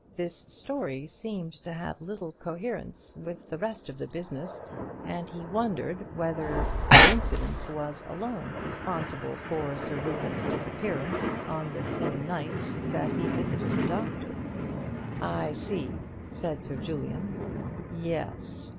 This story seemed to have little coherence with the rest of the business, and he wondered whether coincidence was alone responsible for Sir Reuben's disappearance on the same night that he visited the doctor. "I see," said Sir Julian. "Yes.